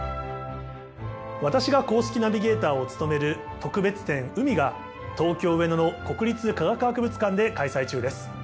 私が公式ナビゲーターを務める特別展「海」が東京・上野の国立科学博物館で開催中です。